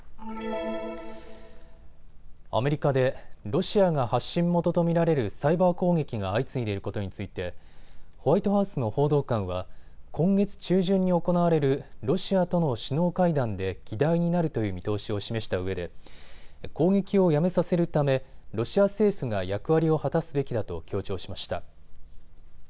アメリカでロシアが発信元と見られるサイバー攻撃が相次いでいることについてホワイトハウスの報道官は今月中旬に行われるロシアとの首脳会談で議題になるという見通しを示したうえで攻撃をやめさせるためロシア政府が役割を果たすべきだと強調しました。